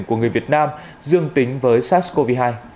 của người việt nam dương tính với sars cov hai